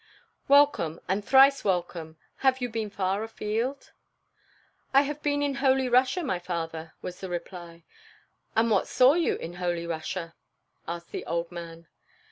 "Welcome, and thrice welcome! Have you been far afield?" "I have been in Holy Russia, my father," was the reply. "And what saw you in Holy Russia?" asked the old man.